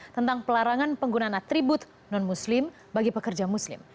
tentang pelarangan penggunaan atribut non muslim bagi pekerja muslim